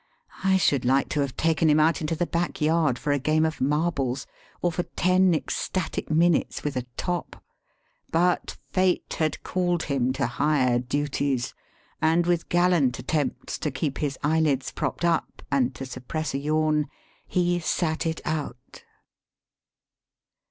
I should like to have taken him out into the backyard for a game of marbles, or for ten ecstatic minutes with a top ; but fate had called him to higher duties, and with gallant attempts to keep his eyelids propped up and to suppress a yawn, he sat it out.